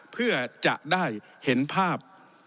เพื่อจะได้เห็นภาพ